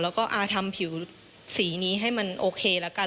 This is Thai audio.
แล้วก็ทำผิวสีนี้ให้มันโอเคละกัน